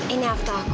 ini akte aku